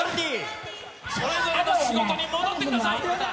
それぞれの仕事に戻ってください。